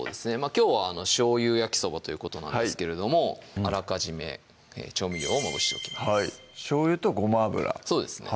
きょうは「しょうゆ焼きそば」ということなんですけれどもあらかじめ調味料をまぶしておきますしょうゆとごま油そうですね